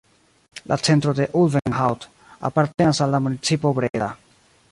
La centro de Ulvenhout apartenas al la municipo Breda.